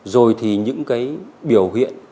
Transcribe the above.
rồi thì những biểu hiện